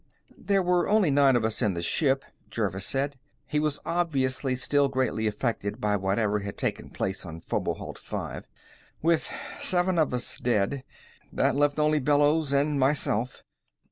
"There were only nine of us in the ship," Jervis said. He was obviously still greatly affected by whatever had taken place on Fomalhaut V. "With seven of us dead, that left only Bellows and myself.